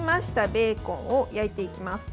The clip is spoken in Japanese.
ベーコンを焼いていきます。